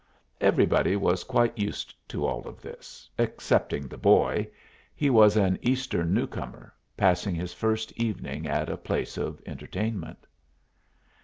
Everybody was quite used to all of this excepting the boy. He was an Eastern new comer, passing his first evening at a place of entertainment.